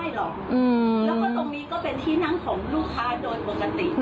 แล้วก็ตรงนี้ก็เป็นที่นั่งของลูกค้าโดยปกติ